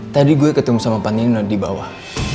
tadi gue ketemu sama panglino di bawah